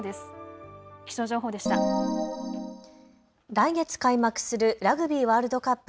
来月、開幕するラグビーワールドカップ